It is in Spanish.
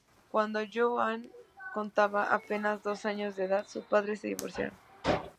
Cuando Joan contaba apenas dos años de edad, sus padres se divorciaron.